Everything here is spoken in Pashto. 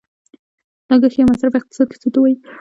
لګښت یا مصرف په اقتصاد کې څه ته وايي؟